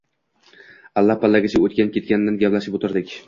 Alla-pallagacha o‘tgan-ketgandan gaplashib o‘tirdik.